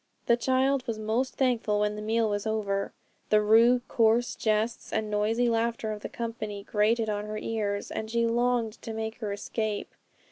The child was most thankful when the meal was over. The rude, coarse jests and noisy laughter of the company grated on her ears, and she longed to make her escape.